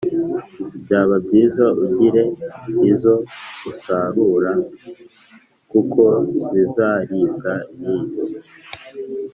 Byaba byiza ugire izo usarura kuko zizaribwa n’inyo